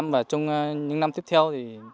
và trong những năm tiếp theo